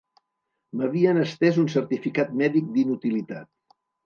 M'havien estès un certificat mèdic d'inutilitat